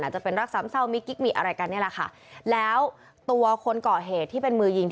อาจจะเป็นรักษัพท์เจ้ามิบกิ๊กมิบอะไรกันนี้แหละค่ะแล้วตัวคนก่อเหตุที่เป็นมือยิงที่